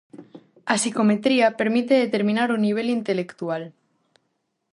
A psicometría permite determinar o nivel intelectual.